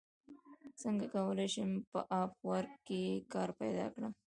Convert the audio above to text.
څنګه کولی شم په اپ ورک کې کار پیدا کړم